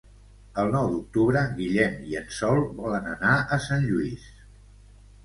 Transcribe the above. El nou d'octubre en Guillem i en Sol volen anar a Sant Lluís.